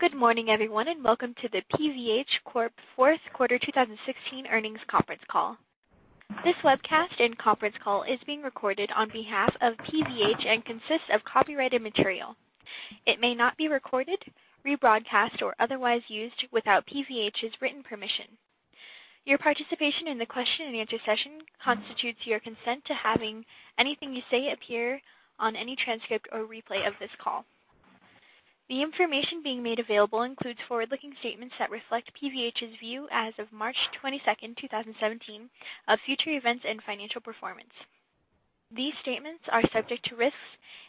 Good morning, everyone, and welcome to the PVH Corp. fourth quarter 2016 earnings conference call. This webcast and conference call is being recorded on behalf of PVH and consists of copyrighted material. It may not be recorded, rebroadcast, or otherwise used without PVH's written permission. Your participation in the question and answer session constitutes your consent to having anything you say appear on any transcript or replay of this call. The information being made available includes forward-looking statements that reflect PVH's view as of March 22, 2017, of future events and financial performance. These statements are subject to risks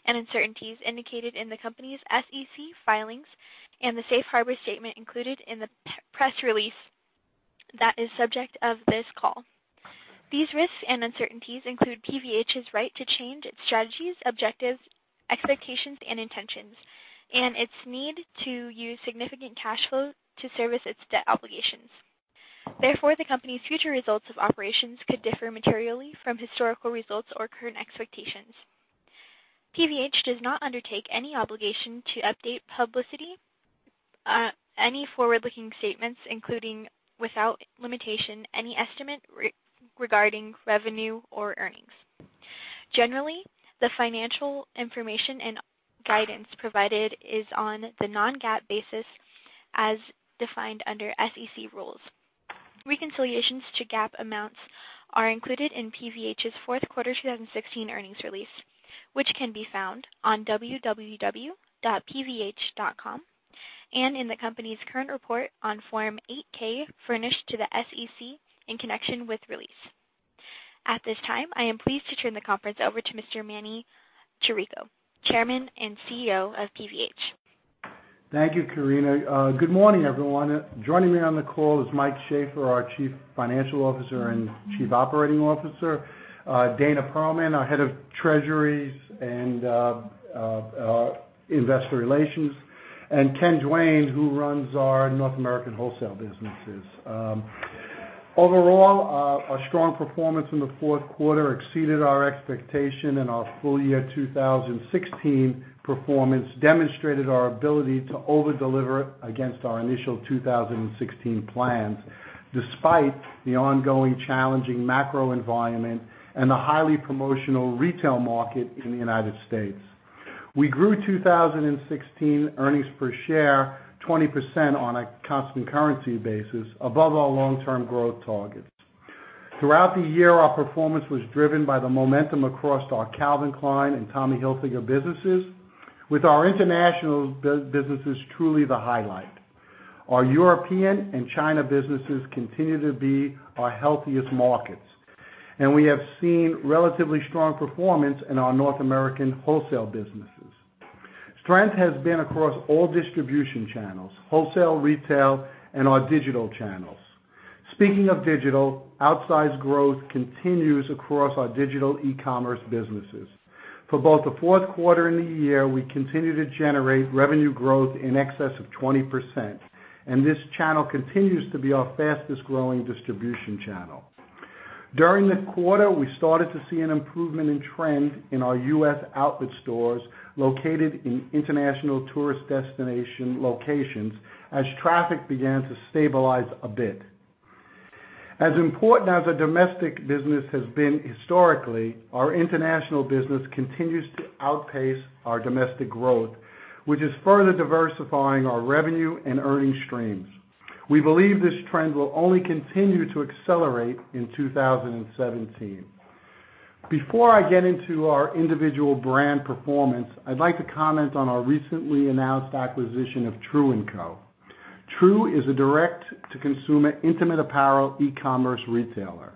and uncertainties indicated in the company's SEC filings and the safe harbor statement included in the press release that is subject of this call. These risks and uncertainties include PVH's right to change its strategies, objectives, expectations, and intentions, and its need to use significant cash flow to service its debt obligations. Therefore, the company's future results of operations could differ materially from historical results or current expectations. PVH does not undertake any obligation to update publicly any forward-looking statements, including, without limitation, any estimate regarding revenue or earnings. Generally, the financial information and guidance provided is on the non-GAAP basis as defined under SEC rules. Reconciliations to GAAP amounts are included in PVH's fourth quarter 2016 earnings release, which can be found on www.pvh.com and in the company's current report on Form 8-K furnished to the SEC in connection with release. At this time, I am pleased to turn the conference over to Mr. Emanuel Chirico, Chairman and CEO of PVH. Thank you, Karina. Good morning, everyone. Joining me on the call is Mike Shaffer, our Chief Financial Officer and Chief Operating Officer, Dana Perlman, our Head of Treasuries and Investor Relations, and Ken Duane, who runs our North American wholesale businesses. Overall, our strong performance in the fourth quarter exceeded our expectation, and our full year 2016 performance demonstrated our ability to over-deliver against our initial 2016 plans, despite the ongoing challenging macro environment and the highly promotional retail market in the U.S. We grew 2016 earnings per share 20% on a constant currency basis above our long-term growth targets. Throughout the year, our performance was driven by the momentum across our Calvin Klein and Tommy Hilfiger businesses, with our international businesses truly the highlight. Our European and China businesses continue to be our healthiest markets, and we have seen relatively strong performance in our North American wholesale businesses. Strength has been across all distribution channels, wholesale, retail, and our digital channels. Speaking of digital, outsized growth continues across our digital e-commerce businesses. For both the fourth quarter and the year, we continue to generate revenue growth in excess of 20%, and this channel continues to be our fastest-growing distribution channel. During the quarter, we started to see an improvement in trend in our U.S. outlet stores located in international tourist destination locations as traffic began to stabilize a bit. As important as a domestic business has been historically, our international business continues to outpace our domestic growth, which is further diversifying our revenue and earnings streams. We believe this trend will only continue to accelerate in 2017. Before I get into our individual brand performance, I'd like to comment on our recently announced acquisition of True&Co. True&Co. is a direct-to-consumer, intimate apparel, e-commerce retailer.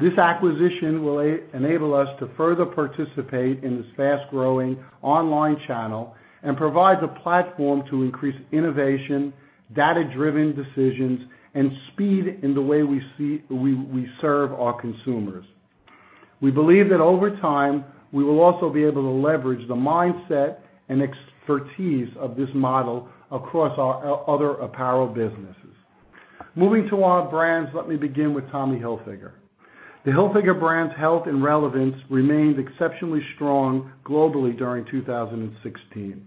This acquisition will enable us to further participate in this fast-growing online channel and provides a platform to increase innovation, data-driven decisions, and speed in the way we serve our consumers. We believe that over time, we will also be able to leverage the mindset and expertise of this model across our other apparel businesses. Moving to our brands, let me begin with Tommy Hilfiger. The Hilfiger brand's health and relevance remained exceptionally strong globally during 2016.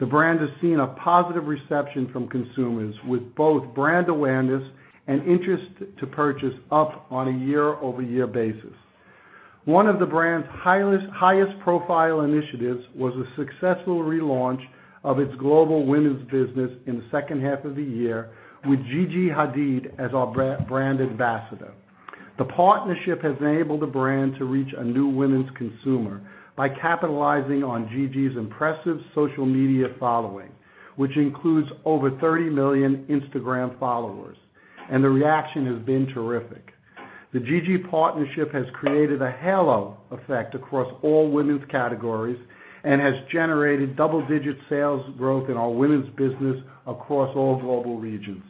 The brand has seen a positive reception from consumers, with both brand awareness and interest to purchase up on a year-over-year basis. One of the brand's highest profile initiatives was a successful relaunch of its global women's business in the second half of the year with Gigi Hadid as our brand ambassador. The partnership has enabled the brand to reach a new women's consumer by capitalizing on Gigi's impressive social media following, which includes over 30 million Instagram followers, and the reaction has been terrific. The Gigi partnership has created a halo effect across all women's categories and has generated double-digit sales growth in our women's business across all global regions.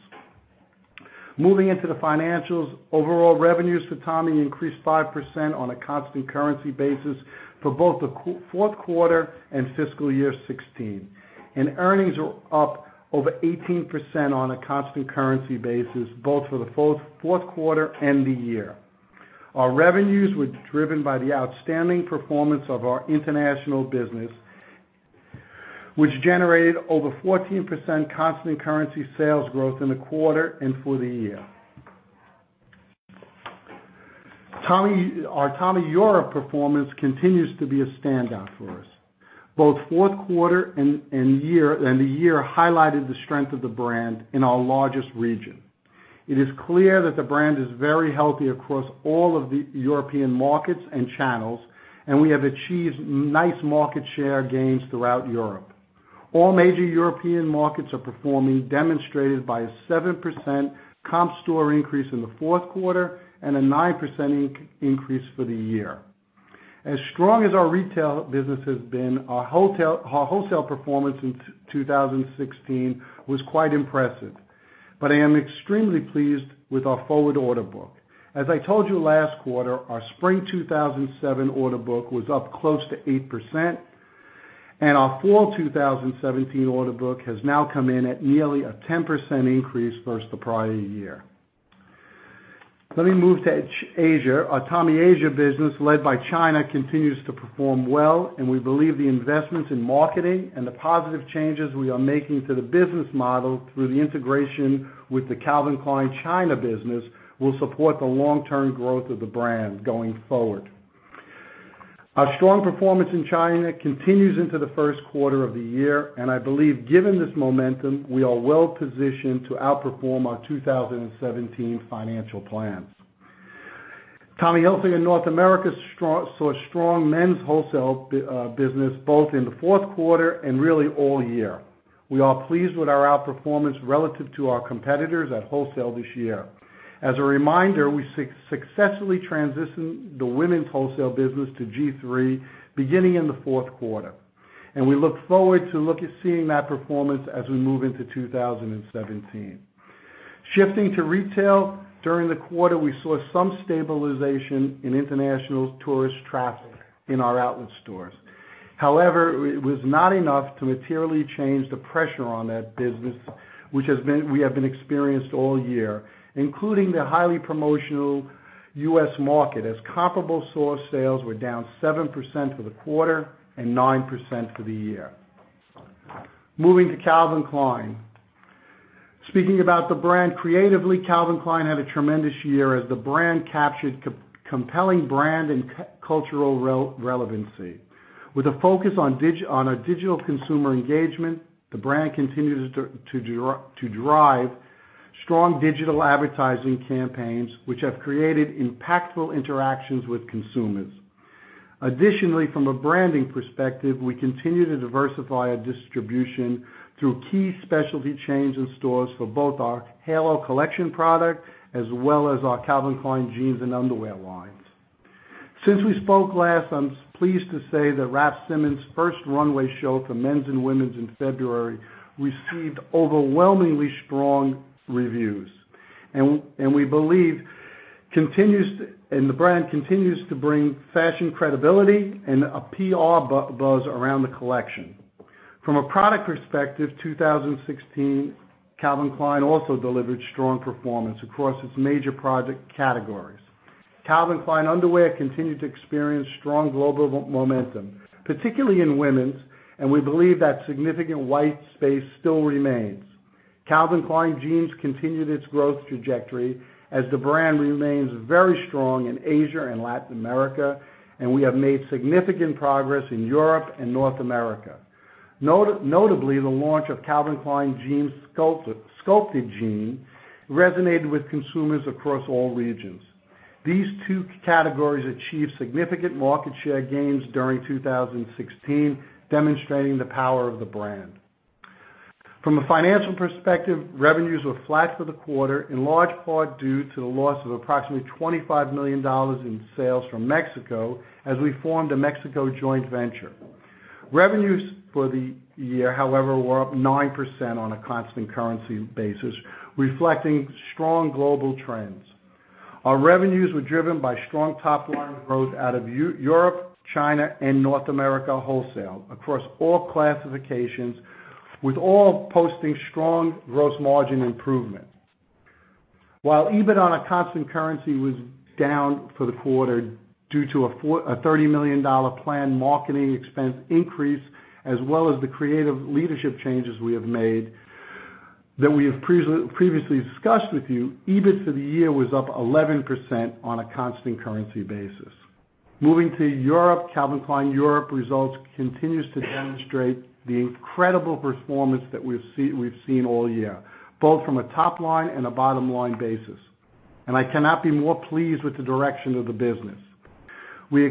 Moving into the financials, overall revenues for Tommy increased 5% on a constant currency basis for both the fourth quarter and fiscal year 2016, and earnings are up over 18% on a constant currency basis both for the fourth quarter and the year. Our revenues were driven by the outstanding performance of our international business, which generated over 14% constant currency sales growth in the quarter and for the year. Our Tommy Europe performance continues to be a standout for us. Both fourth quarter and the year highlighted the strength of the brand in our largest region. It is clear that the brand is very healthy across all of the European markets and channels, and we have achieved nice market share gains throughout Europe. All major European markets are performing, demonstrated by a 7% comp store increase in the fourth quarter and a 9% increase for the year. As strong as our retail business has been, our wholesale performance in 2016 was quite impressive. I am extremely pleased with our forward order book. As I told you last quarter, our spring 2017 order book was up close to 8%, and our fall 2017 order book has now come in at nearly a 10% increase versus the prior year. Let me move to Asia. Our Tommy Asia business, led by China, continues to perform well. We believe the investments in marketing and the positive changes we are making to the business model through the integration with the Calvin Klein China business will support the long-term growth of the brand going forward. Our strong performance in China continues into the first quarter of the year. I believe given this momentum, we are well-positioned to outperform our 2017 financial plans. Tommy Hilfiger North America saw strong men's wholesale business both in the fourth quarter and really all year. We are pleased with our outperformance relative to our competitors at wholesale this year. As a reminder, we successfully transitioned the women's wholesale business to G-III beginning in the fourth quarter, and we look forward to seeing that performance as we move into 2017. Shifting to retail, during the quarter, we saw some stabilization in international tourist traffic in our outlet stores. However, it was not enough to materially change the pressure on that business, which we have been experienced all year, including the highly promotional U.S. market, as comparable store sales were down 7% for the quarter and 9% for the year. Moving to Calvin Klein. Speaking about the brand creatively, Calvin Klein had a tremendous year as the brand captured compelling brand and cultural relevancy. With a focus on our digital consumer engagement, the brand continues to drive strong digital advertising campaigns, which have created impactful interactions with consumers. Additionally, from a branding perspective, we continue to diversify our distribution through key specialty chains and stores for both our Halo collection product as well as our Calvin Klein Jeans and Underwear lines. Since we spoke last, I'm pleased to say that Raf Simons' first runway show for men's and women's in February received overwhelmingly strong reviews and the brand continues to bring fashion credibility and a PR buzz around the collection. From a product perspective, 2016, Calvin Klein also delivered strong performance across its major product categories. Calvin Klein Underwear continued to experience strong global momentum, particularly in women's, and we believe that significant white space still remains. Calvin Klein Jeans continued its growth trajectory as the brand remains very strong in Asia and Latin America, and we have made significant progress in Europe and North America. Notably, the launch of Calvin Klein Sculpted Jean resonated with consumers across all regions. These two categories achieved significant market share gains during 2016, demonstrating the power of the brand. From a financial perspective, revenues were flat for the quarter, in large part due to the loss of approximately $25 million in sales from Mexico as we formed a Mexico joint venture. Revenues for the year, however, were up 9% on a constant currency basis, reflecting strong global trends. Our revenues were driven by strong top-line growth out of Europe, China, and North America wholesale across all classifications, with all posting strong gross margin improvements. While EBIT on a constant currency was down for the quarter due to a $30 million planned marketing expense increase, as well as the creative leadership changes we have made that we have previously discussed with you, EBIT for the year was up 11% on a constant currency basis. Moving to Europe, Calvin Klein Europe results continues to demonstrate the incredible performance that we've seen all year, both from a top-line and a bottom-line basis. I cannot be more pleased with the direction of the business. We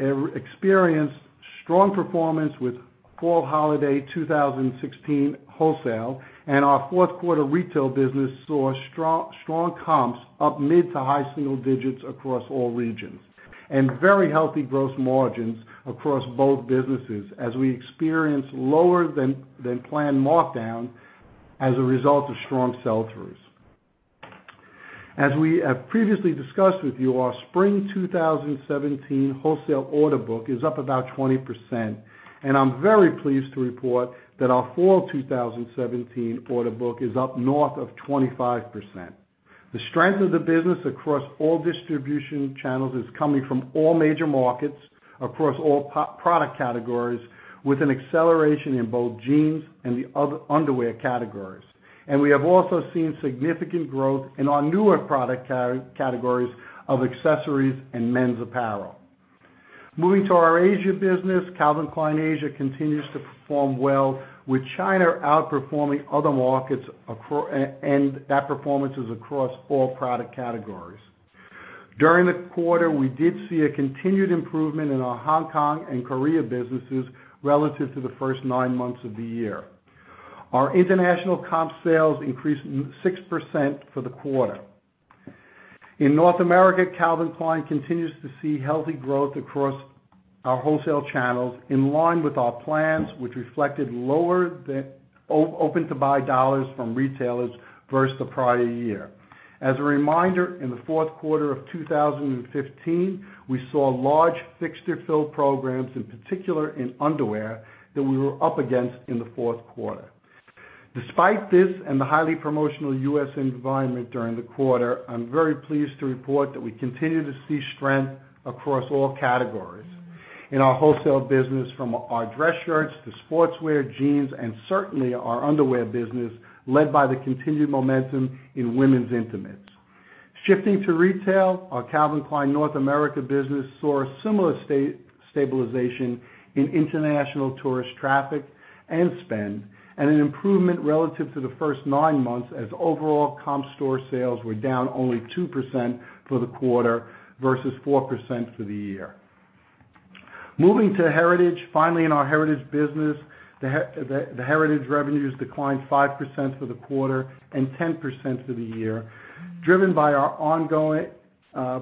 experienced strong performance with fall holiday 2016 wholesale, and our fourth quarter retail business saw strong comps up mid to high single digits across all regions, and very healthy gross margins across both businesses as we experienced lower than planned markdown as a result of strong sell-throughs. As we have previously discussed with you, our spring 2017 wholesale order book is up about 20%, and I'm very pleased to report that our fall 2017 order book is up north of 25%. The strength of the business across all distribution channels is coming from all major markets, across all product categories, with an acceleration in both Jeans and the Underwear categories. We have also seen significant growth in our newer product categories of accessories and men's apparel. Moving to our Asia business, Calvin Klein Asia continues to perform well, with China outperforming other markets. That performance is across all product categories. During the quarter, we did see a continued improvement in our Hong Kong and Korea businesses relative to the first nine months of the year. Our international comp sales increased 6% for the quarter. In North America, Calvin Klein continues to see healthy growth across our wholesale channels in line with our plans, which reflected lower open-to-buy $ from retailers versus the prior year. As a reminder, in the fourth quarter of 2015, we saw large fixture fill programs, in particular in underwear, that we were up against in the fourth quarter. Despite this and the highly promotional U.S. environment during the quarter, I'm very pleased to report that we continue to see strength across all categories. In our wholesale business, from our dress shirts to sportswear, jeans, and certainly our underwear business, led by the continued momentum in women's intimates. Shifting to retail, our Calvin Klein North America business saw a similar stabilization in international tourist traffic and spend. An improvement relative to the first nine months as overall comp store sales were down only 2% for the quarter versus 4% for the year. Moving to Heritage. Finally, in our Heritage business, the Heritage revenues declined 5% for the quarter and 10% for the year, driven by our ongoing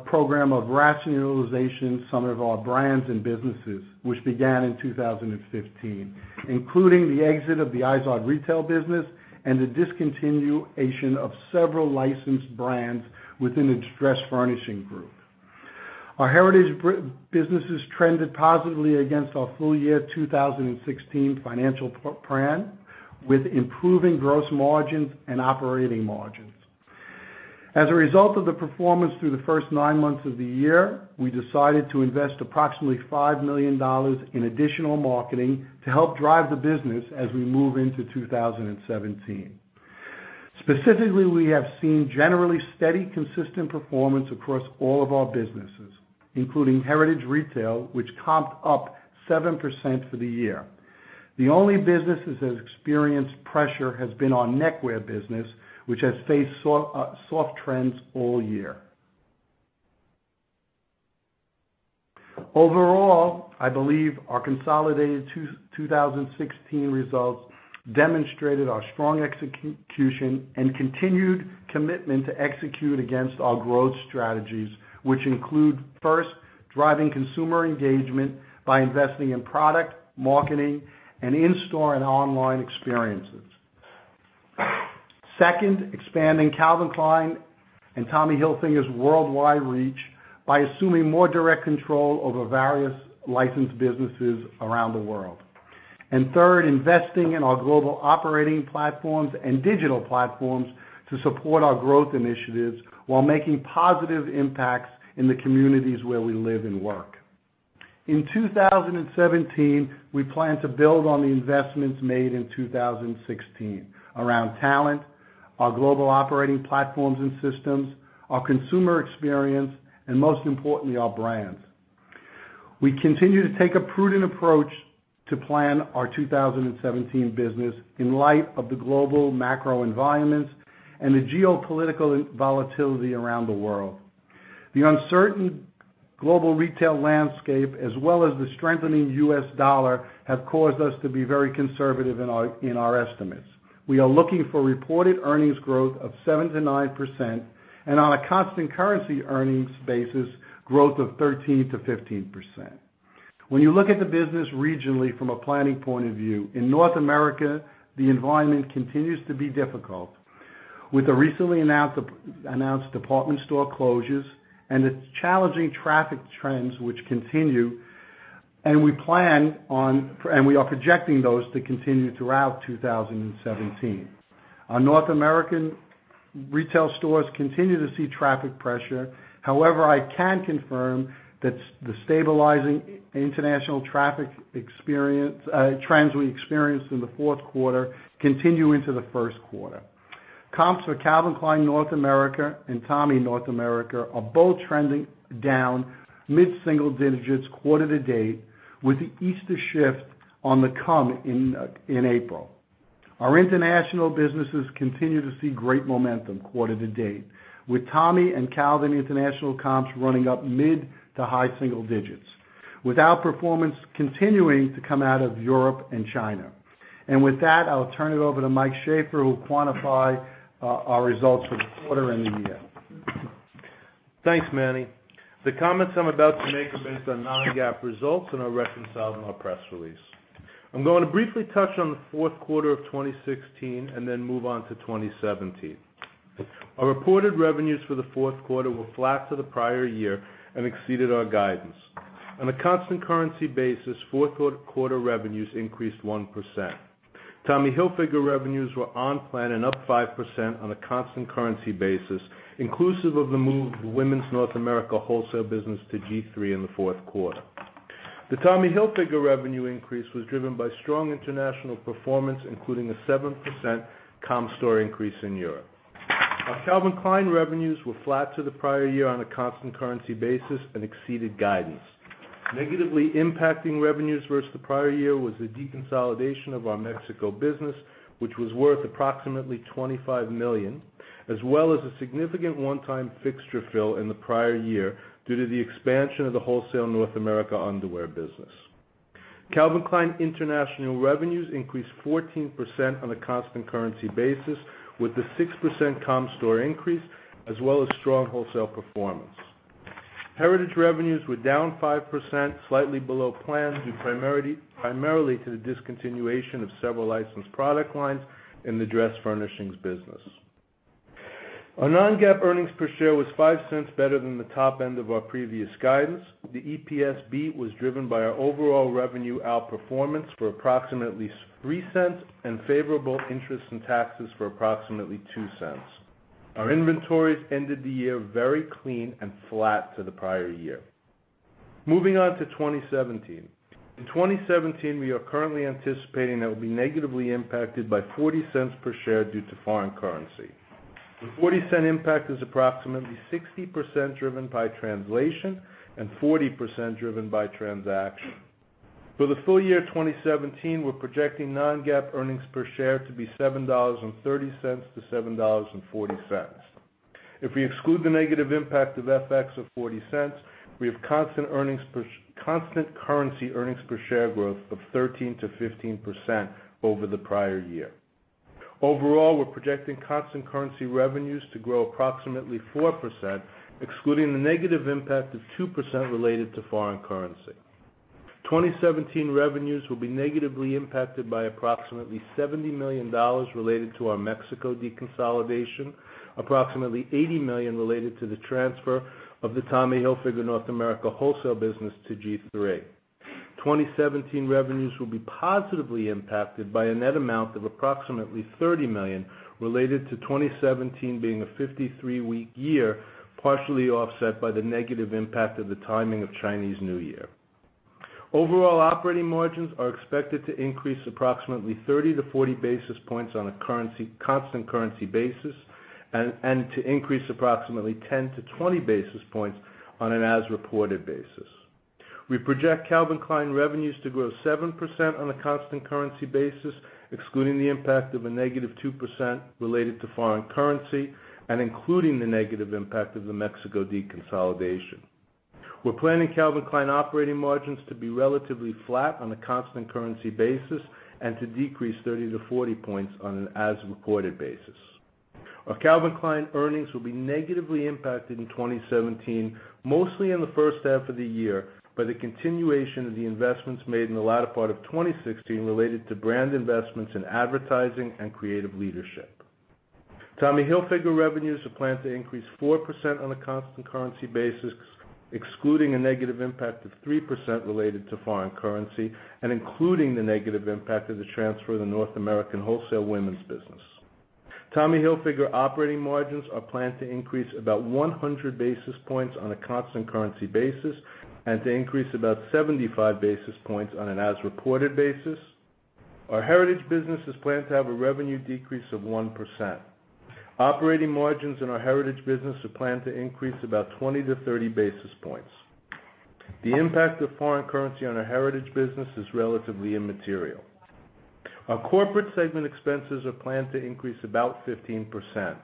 program of rationalization some of our brands and businesses, which began in 2015, including the exit of the Izod retail business and the discontinuation of several licensed brands within its dress furnishing group. Our Heritage businesses trended positively against our full year 2016 financial plan, with improving gross margins and operating margins. As a result of the performance through the first nine months of the year, we decided to invest approximately $5 million in additional marketing to help drive the business as we move into 2017. Specifically, we have seen generally steady, consistent performance across all of our businesses, including Heritage Retail, which comped up 7% for the year. The only businesses that experienced pressure has been our neckwear business, which has faced soft trends all year. Overall, I believe our consolidated 2016 results demonstrated our strong execution and continued commitment to execute against our growth strategies, which include, first, driving consumer engagement by investing in product, marketing, and in-store and online experiences. Second, expanding Calvin Klein and Tommy Hilfiger's worldwide reach by assuming more direct control over various licensed businesses around the world. Third, investing in our global operating platforms and digital platforms to support our growth initiatives while making positive impacts in the communities where we live and work. In 2017, we plan to build on the investments made in 2016 around talent, our global operating platforms and systems, our consumer experience, and most importantly, our brands. We continue to take a prudent approach to plan our 2017 business in light of the global macro environments and the geopolitical volatility around the world. The uncertain global retail landscape, as well as the strengthening U.S. dollar, have caused us to be very conservative in our estimates. We are looking for reported earnings growth of 7%-9%. On a constant currency earnings basis, growth of 13%-15%. When you look at the business regionally from a planning point of view, in North America, the environment continues to be difficult. With the recently announced department store closures and its challenging traffic trends which continue, we are projecting those to continue throughout 2017. Our North American retail stores continue to see traffic pressure. However, I can confirm that the stabilizing international traffic trends we experienced in the fourth quarter continue into the first quarter. Comps for Calvin Klein North America and Tommy North America are both trending down mid-single digits quarter to date, with the Easter shift on the come in April. Our international businesses continue to see great momentum quarter to date, with Tommy and Calvin international comps running up mid to high single digits, with our performance continuing to come out of Europe and China. With that, I will turn it over to Mike Shaffer, who will quantify our results for the quarter and the year. Thanks, Manny. The comments I'm about to make are based on non-GAAP results and are reconciled in our press release. I'm going to briefly touch on the fourth quarter of 2016 and then move on to 2017. Our reported revenues for the fourth quarter were flat to the prior year and exceeded our guidance. On a constant currency basis, fourth quarter revenues increased 1%. Tommy Hilfiger revenues were on plan and up 5% on a constant currency basis, inclusive of the move of the women's North America wholesale business to G-III in the fourth quarter. The Tommy Hilfiger revenue increase was driven by strong international performance, including a 7% comp store increase in Europe. Our Calvin Klein revenues were flat to the prior year on a constant currency basis and exceeded guidance. Negatively impacting revenues versus the prior year was the deconsolidation of our Mexico business, which was worth approximately $25 million, as well as a significant one-time fixture fill in the prior year due to the expansion of the wholesale North America underwear business. Calvin Klein international revenues increased 14% on a constant currency basis with the 6% comp store increase as well as strong wholesale performance. Heritage revenues were down 5%, slightly below plan, due primarily to the discontinuation of several licensed product lines in the dress furnishings business. Our non-GAAP earnings per share was $0.05 better than the top end of our previous guidance. The EPS beat was driven by our overall revenue outperformance for approximately $0.03 and favorable interest and taxes for approximately $0.02. Our inventories ended the year very clean and flat to the prior year. Moving on to 2017. In 2017, we are currently anticipating that we'll be negatively impacted by $0.40 per share due to foreign currency. The $0.40 impact is approximately 60% driven by translation and 40% driven by transaction. For the full year 2017, we're projecting non-GAAP earnings per share to be $7.30-$7.40. If we exclude the negative impact of FX of $0.40, we have constant currency earnings per share growth of 13%-15% over the prior year. Overall, we're projecting constant currency revenues to grow approximately 4%, excluding the negative impact of 2% related to foreign currency. 2017 revenues will be negatively impacted by approximately $70 million related to our Mexico deconsolidation, approximately $80 million related to the transfer of the Tommy Hilfiger North America wholesale business to G-III. 2017 revenues will be positively impacted by a net amount of approximately $30 million related to 2017 being a 53-week year, partially offset by the negative impact of the timing of Chinese New Year. Overall operating margins are expected to increase approximately 30 to 40 basis points on a constant currency basis and to increase approximately 10 to 20 basis points on an as-reported basis. We project Calvin Klein revenues to grow 7% on a constant currency basis, excluding the impact of a negative 2% related to foreign currency and including the negative impact of the Mexico deconsolidation. We're planning Calvin Klein operating margins to be relatively flat on a constant currency basis and to decrease 30 to 40 points on an as-reported basis. Our Calvin Klein earnings will be negatively impacted in 2017, mostly in the first half of the year, by the continuation of the investments made in the latter part of 2016 related to brand investments in advertising and creative leadership. Tommy Hilfiger revenues are planned to increase 4% on a constant currency basis, excluding a negative impact of 3% related to foreign currency and including the negative impact of the transfer of the North American wholesale women's business. Tommy Hilfiger operating margins are planned to increase about 100 basis points on a constant currency basis and to increase about 75 basis points on an as-reported basis. Our Heritage business is planned to have a revenue decrease of 1%. Operating margins in our Heritage business are planned to increase about 20 to 30 basis points. The impact of foreign currency on our Heritage business is relatively immaterial. Our corporate segment expenses are planned to increase about 15%.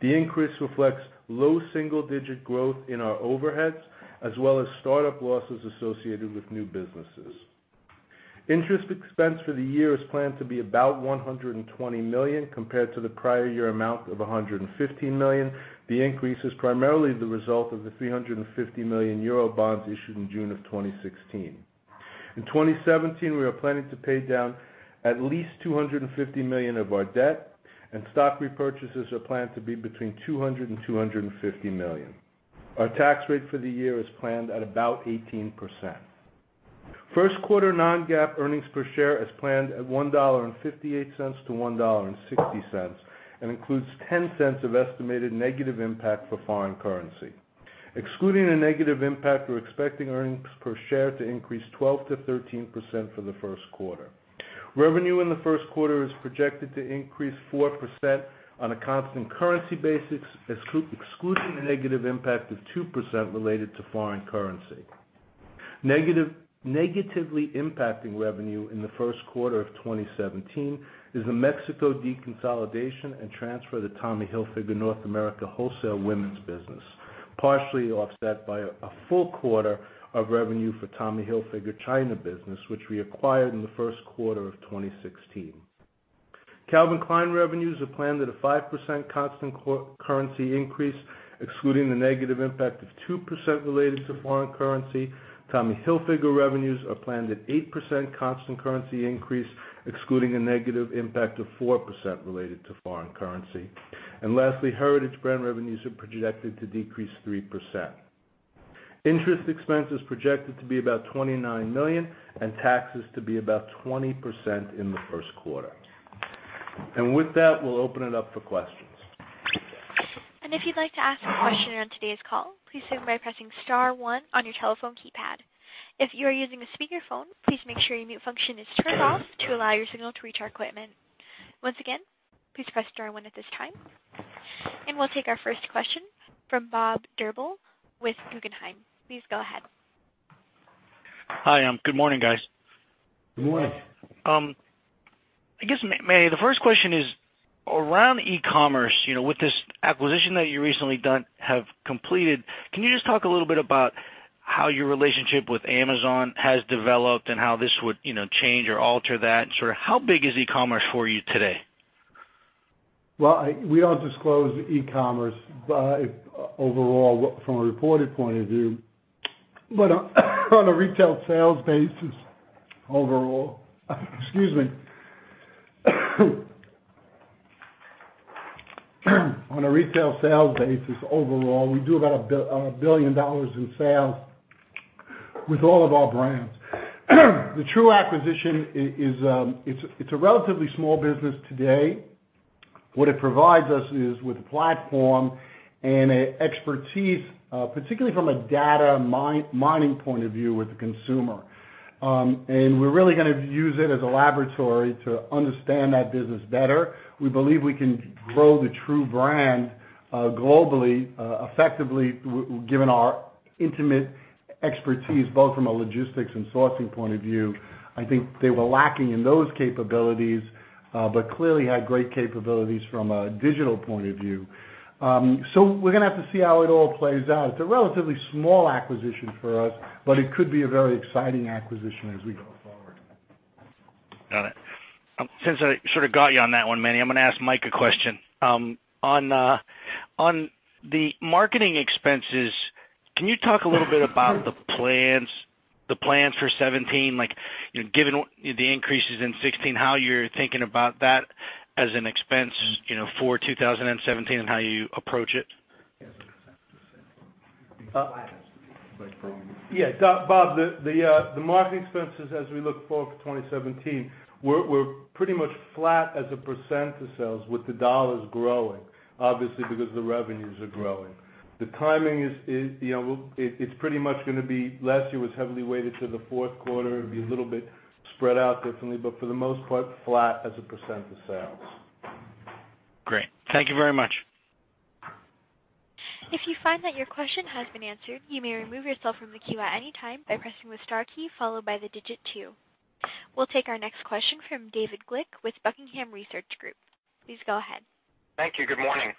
The increase reflects low single-digit growth in our overheads, as well as startup losses associated with new businesses. Interest expense for the year is planned to be about $120 million compared to the prior year amount of $115 million. The increase is primarily the result of the 350 million euro bonds issued in June of 2016. In 2017, we are planning to pay down at least $250 million of our debt, and stock repurchases are planned to be between $200 and $250 million. Our tax rate for the year is planned at about 18%. First quarter non-GAAP earnings per share is planned at $1.58 to $1.60 and includes $0.10 of estimated negative impact for foreign currency. Excluding a negative impact, we're expecting earnings per share to increase 12% to 13% for the first quarter. Revenue in the first quarter is projected to increase 4% on a constant currency basis, excluding a negative impact of 2% related to foreign currency. Negatively impacting revenue in the first quarter of 2017 is the Mexico deconsolidation and transfer to Tommy Hilfiger North America wholesale women's business, partially offset by a full quarter of revenue for Tommy Hilfiger China business, which we acquired in the first quarter of 2016. Calvin Klein revenues are planned at a 5% constant currency increase, excluding the negative impact of 2% related to foreign currency. Tommy Hilfiger revenues are planned at 8% constant currency increase, excluding a negative impact of 4% related to foreign currency. Lastly, Heritage Brands revenues are projected to decrease 3%. Interest expense is projected to be about $29 million and taxes to be about 20% in the first quarter. With that, we'll open it up for questions. If you'd like to ask a question on today's call, please do so by pressing star one on your telephone keypad. If you are using a speakerphone, please make sure your mute function is turned off to allow your signal to reach our equipment. Once again, please press star one at this time. We'll take our first question from Bob Drbul with Guggenheim. Please go ahead. Hi. Good morning, guys. Good morning. I guess, Manny, the first question is around e-commerce. With this acquisition that you recently have completed, can you just talk a little bit about how your relationship with Amazon has developed and how this would change or alter that? How big is e-commerce for you today? Well, we don't disclose e-commerce overall from a reported point of view. On a retail sales basis overall, we do about $1 billion in sales with all of our brands. The True acquisition, it's a relatively small business today. What it provides us is with a platform and expertise, particularly from a data mining point of view with the consumer. We're really going to use it as a laboratory to understand that business better. We believe we can grow the True brand globally, effectively, given our intimate expertise, both from a logistics and sourcing point of view. I think they were lacking in those capabilities, but clearly had great capabilities from a digital point of view. We're going to have to see how it all plays out. It's a relatively small acquisition for us, but it could be a very exciting acquisition as we go forward. Got it. Since I sort of got you on that one, Manny, I'm going to ask Mike a question. On the marketing expenses, can you talk a little bit about the plans for 2017, like given the increases in 2016, how you're thinking about that as an expense for 2017 and how you approach it? Yes. Bob, the marketing expenses as we look forward for 2017, we're pretty much flat as a % of sales with the $ growing, obviously, because the revenues are growing. The timing is pretty much going to be, last year was heavily weighted to the fourth quarter. It'd be a little bit spread out differently, but for the most part, flat as a % of sales. Great. Thank you very much. If you find that your question has been answered, you may remove yourself from the queue at any time by pressing the star key, followed by the digit 2. We'll take our next question from David Glick with The Buckingham Research Group. Please go ahead. Thank you. Good morning.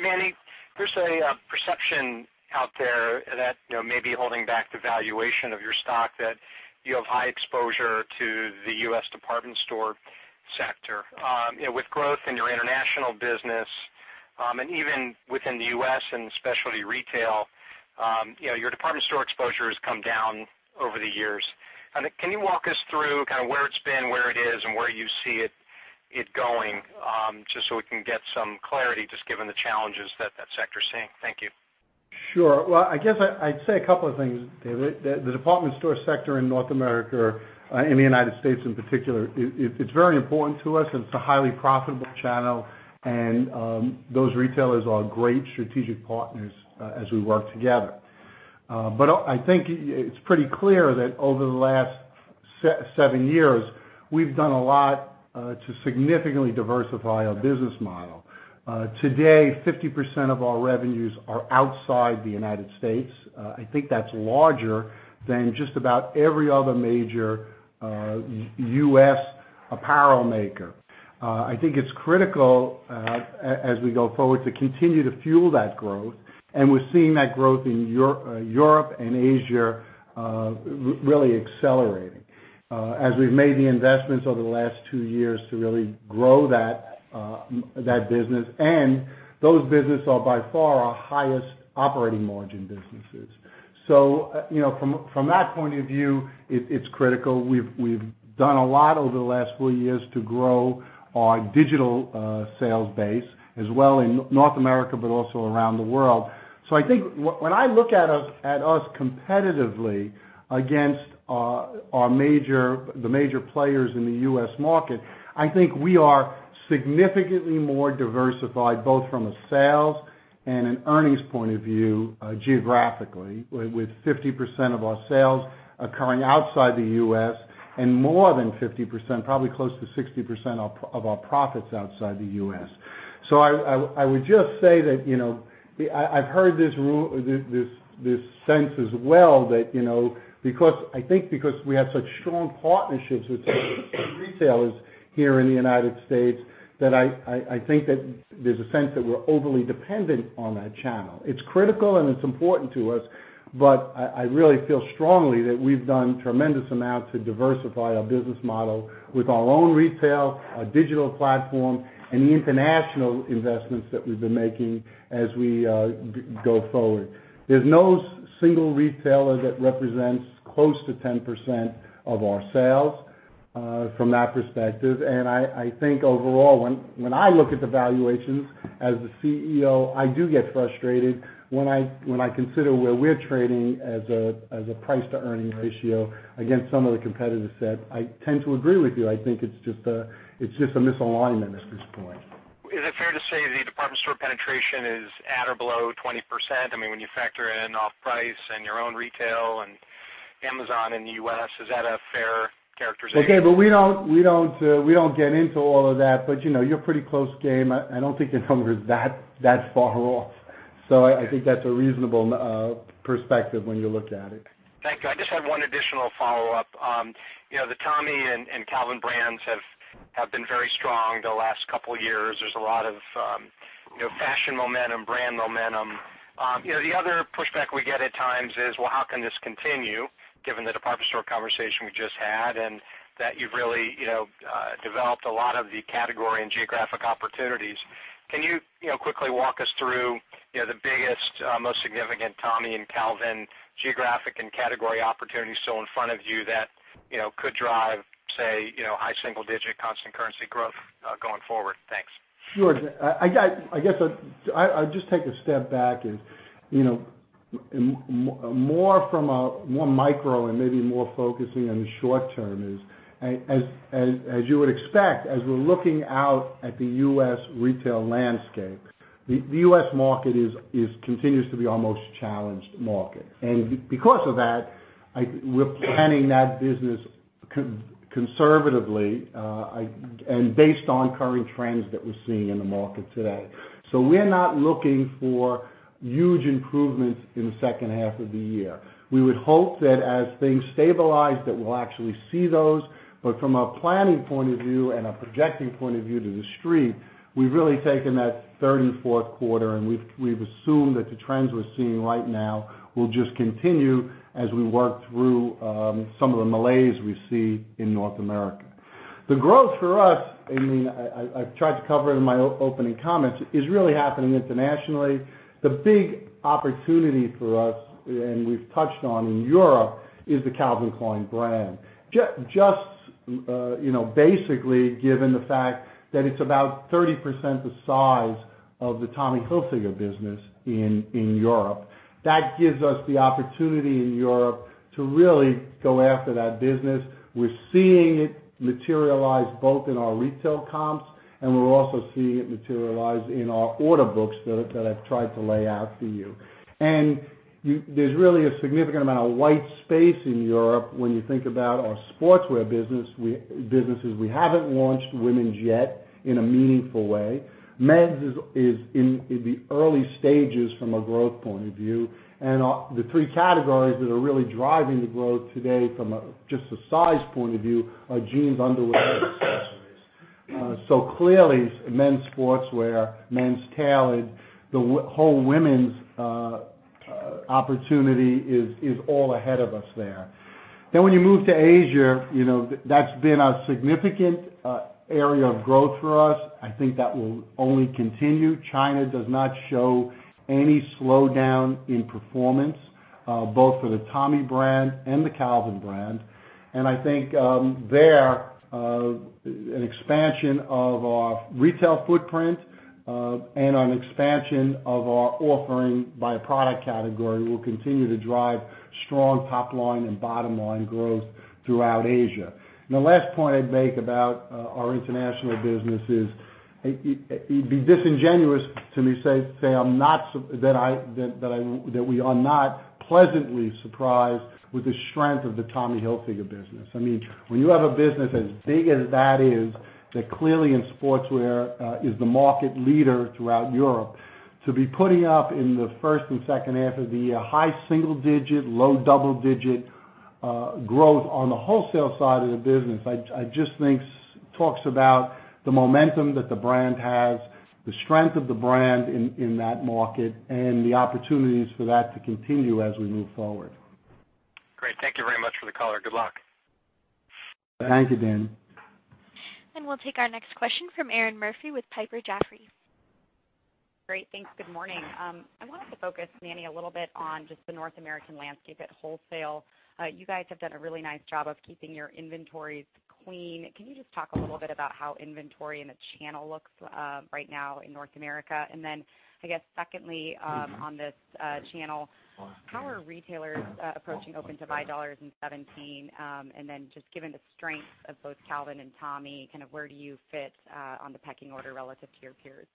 Manny, there's a perception out there that may be holding back the valuation of your stock, that you have high exposure to the U.S. department store sector. With growth in your international business, and even within the U.S. and specialty retail, your department store exposure has come down over the years. Can you walk us through where it's been, where it is, and where you see it going, just so we can get some clarity, just given the challenges that that sector's seeing? Thank you. Sure. Well, I guess I'd say a couple of things, David. The department store sector in North America, in the United States in particular, it's very important to us, and it's a highly profitable channel, and those retailers are great strategic partners as we work together. I think it's pretty clear that over the last seven years, we've done a lot to significantly diversify our business model. Today, 50% of our revenues are outside the United States. I think that's larger than just about every other major U.S. apparel maker. I think it's critical, as we go forward, to continue to fuel that growth. We're seeing that growth in Europe and Asia really accelerating. As we've made the investments over the last two years to really grow that business, and those business are by far our highest operating margin businesses. From that point of view, it's critical. We've done a lot over the last four years to grow our digital sales base as well in North America, but also around the world. I think when I look at us competitively against the major players in the U.S. market, I think we are significantly more diversified, both from a sales and an earnings point of view geographically, with 50% of our sales occurring outside the U.S. and more than 50%, probably close to 60% of our profits outside the U.S. I would just say that I've heard this sense as well that I think because we have such strong partnerships with some retailers here in the United States, that I think that there's a sense that we're overly dependent on that channel. It's critical, and it's important to us, but I really feel strongly that we've done tremendous amounts to diversify our business model with our own retail, our digital platform, and the international investments that we've been making as we go forward. There's no single retailer that represents close to 10% of our sales from that perspective. I think overall, when I look at the valuations as the CEO, I do get frustrated when I consider where we're trading as a price-to-earning ratio against some of the competitors set. I tend to agree with you. I think it's just a misalignment at this point. Is it fair to say the department store penetration is at or below 20%? When you factor in off-price and your own retail and Amazon in the U.S., is that a fair characterization? We don't get into all of that. You know, you're pretty close, Dave. I don't think the number is that far off. I think that's a reasonable perspective when you look at it. Thank you. I just have one additional follow-up. The Tommy and Calvin brands have been very strong the last couple of years. There's a lot of fashion momentum, brand momentum. The other pushback we get at times is, well, how can this continue given the department store conversation we just had, and that you've really developed a lot of the category and geographic opportunities? Can you quickly walk us through the biggest, most significant Tommy and Calvin geographic and category opportunities still in front of you that could drive, say, high single-digit constant currency growth, going forward? Thanks. Sure. I guess, I'll just take a step back and, more micro and maybe more focusing on the short term is, as you would expect, as we're looking out at the U.S. retail landscape, the U.S. market continues to be our most challenged market. Because of that, we're planning that business conservatively, and based on current trends that we're seeing in the market today. We're not looking for huge improvements in the second half of the year. We would hope that as things stabilize, that we'll actually see those, but from a planning point of view and a projecting point of view to The Street, we've really taken that third and fourth quarter, and we've assumed that the trends we're seeing right now will just continue as we work through some of the malaise we see in North America. The growth for us, I've tried to cover it in my opening comments, is really happening internationally. The big opportunity for us, and we've touched on in Europe, is the Calvin Klein brand. Just basically given the fact that it's about 30% the size of the Tommy Hilfiger business in Europe. That gives us the opportunity in Europe to really go after that business. We're seeing it materialize both in our retail comps, and we're also seeing it materialize in our order books that I've tried to lay out for you. There's really a significant amount of white space in Europe when you think about our sportswear businesses. We haven't launched women's yet in a meaningful way. Men's is in the early stages from a growth point of view. The three categories that are really driving the growth today from just a size point of view are jeans, underwear, and accessories. Clearly, men's sportswear, men's tailored, the whole women's opportunity is all ahead of us there. When you move to Asia, that's been a significant area of growth for us. I think that will only continue. China does not show any slowdown in performance, both for the Tommy brand and the Calvin brand. I think there, an expansion of our retail footprint, and an expansion of our offering by product category will continue to drive strong top-line and bottom-line growth throughout Asia. The last point I'd make about our international business is, it'd be disingenuous to me say that we are not pleasantly surprised with the strength of the Tommy Hilfiger business. When you have a business as big as that is, that clearly in sportswear is the market leader throughout Europe, to be putting up in the first and second half of the year, high single-digit, low double-digit growth on the wholesale side of the business, I just think talks about the momentum that the brand has, the strength of the brand in that market, and the opportunities for that to continue as we move forward. Great. Thank you very much for the color. Good luck. Thank you, David. We'll take our next question from Erinn Murphy with Piper Jaffray. Great. Thanks. Good morning. I wanted to focus, Manny, a little bit on just the North American landscape at wholesale. You guys have done a really nice job of keeping your inventories clean. Can you just talk a little bit about how inventory in the channel looks right now in North America? Secondly, on this channel, how are retailers approaching open-to-buy dollars in 2017? Given the strength of both Calvin and Tommy, where do you fit on the pecking order relative to your peers?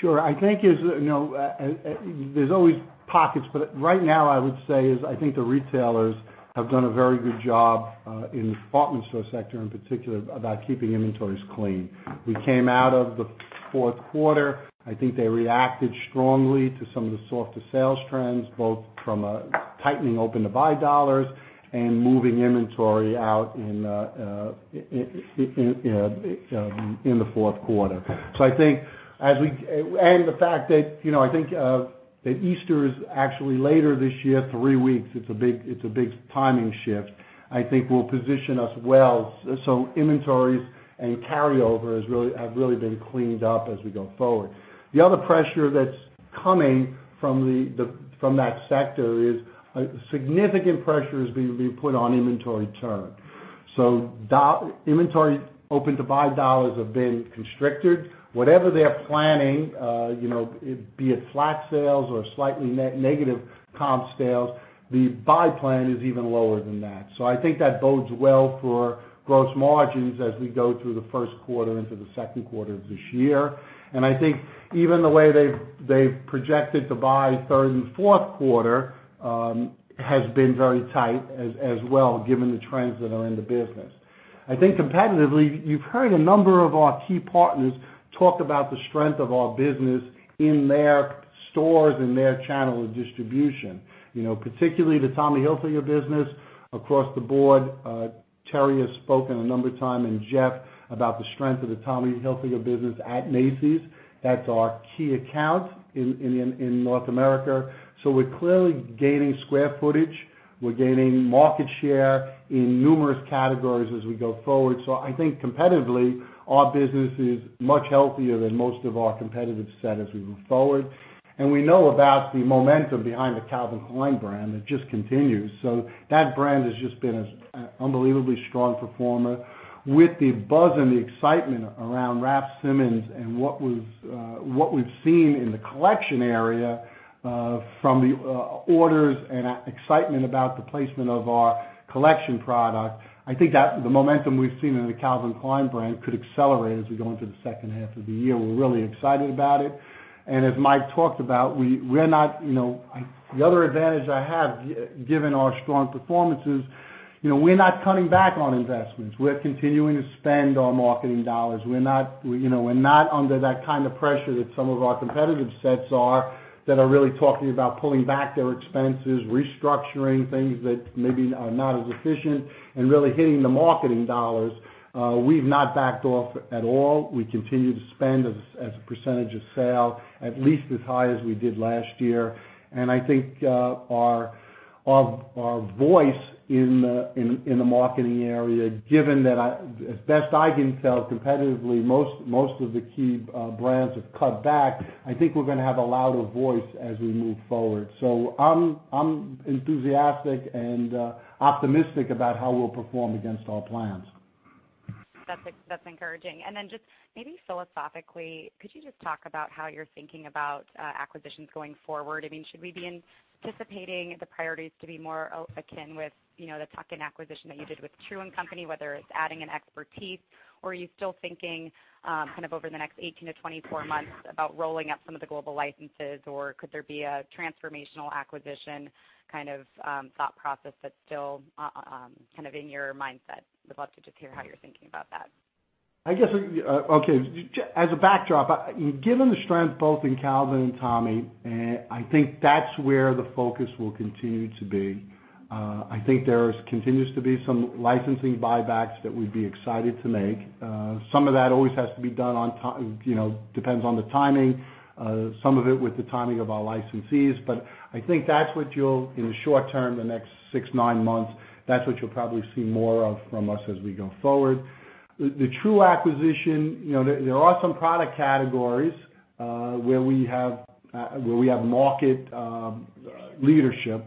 Sure. I think there's always pockets, but right now, I would say is I think the retailers have done a very good job, in the department store sector in particular, about keeping inventories clean. We came out of the fourth quarter. I think they reacted strongly to some of the softer sales trends, both from a tightening open-to-buy dollars and moving inventory out in the fourth quarter. The fact that Easter is actually later this year, three weeks, it's a big timing shift, I think will position us well. Inventories and carryover have really been cleaned up as we go forward. The other pressure that's coming from that sector is a significant pressure is being put on inventory turn. Inventory open to buy dollars have been constricted. Whatever they're planning, be it flat sales or slightly negative comp sales, the buy plan is even lower than that. I think that bodes well for gross margins as we go through the first quarter into the second quarter of this year. I think even the way they've projected to buy third and fourth quarter has been very tight as well, given the trends that are in the business. I think competitively, you've heard a number of our key partners talk about the strength of our business in their stores and their channel of distribution. Particularly the Tommy Hilfiger business across the board. Terry has spoken a number of time, and Jeff, about the strength of the Tommy Hilfiger business at Macy's. That's our key account in North America. We're clearly gaining square footage. We're gaining market share in numerous categories as we go forward. I think competitively, our business is much healthier than most of our competitive set as we move forward. We know about the Calvin Klein brand. It just continues. That brand has just been an unbelievably strong performer. With the buzz and the excitement around Raf Simons and what we've seen in the collection area, from the orders and excitement about the placement of our collection product, I think the momentum we've seen in the Calvin Klein brand could accelerate as we go into the second half of the year. We're really excited about it. As Mike talked about, the other advantage I have, given our strong performance, is we're not cutting back on investments. We're continuing to spend our marketing dollars. We're not under that kind of pressure that some of our competitive sets are, that are really talking about pulling back their expenses, restructuring things that maybe are not as efficient, and really hitting the marketing dollars. We've not backed off at all. We continue to spend as a percentage of sale, at least as high as we did last year. I think our voice in the marketing area, given that as best I can tell competitively, most of the key brands have cut back. I think we're going to have a louder voice as we move forward. I'm enthusiastic and optimistic about how we'll perform against our plans. That's encouraging. Then just maybe philosophically, could you just talk about how you're thinking about acquisitions going forward? Should we be anticipating the priorities to be more akin with the tuck-in acquisition that you did with True&Co., whether it's adding an expertise, or are you still thinking over the next 18-24 months about rolling up some of the global licenses, or could there be a transformational acquisition thought process that's still in your mindset? Would love to just hear how you're thinking about that. As a backdrop, given the strength both in Calvin and Tommy, I think that's where the focus will continue to be. I think there continues to be some licensing buybacks that we'd be excited to make. Some of that always has to be done, depends on the timing. Some of it with the timing of our licensees. I think in the short term, the next six, nine months, that's what you'll probably see more of from us as we go forward. The True acquisition, there are some product categories where we have market leadership.